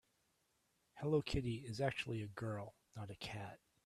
Hello Kitty is actually a girl, not a cat.